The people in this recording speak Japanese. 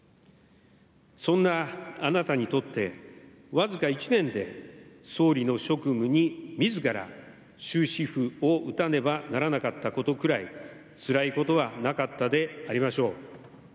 そんなあなたにとってわずか１年で総理の職務に自ら終止符を打たねばならなかったことくらいつらいことはなかったでありましょう。